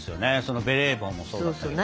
ベレー帽もそうだったけどさ。